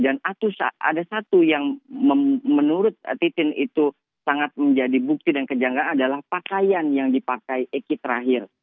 dan ada satu yang menurut titin itu sangat menjadi bukti dan kejanggaan adalah pakaian yang dipakai eki terakhir